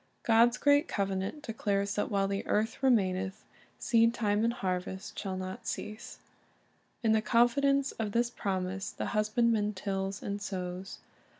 "^ God's great covenant declares that "while the earth remaineth, seed time and harvest ... shall not cease." ^ In the confidence of this promise the husbandman tills and sows.